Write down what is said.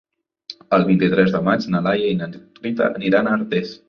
El vint-i-tres de maig na Laia i na Rita iran a Artés.